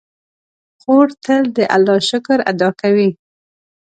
خور تل د الله شکر ادا کوي.